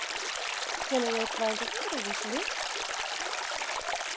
Kinne jo tweintich euro wikselje?